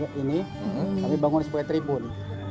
kami bangun sebagai tribun